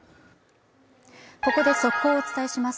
ここで速報をお伝えします。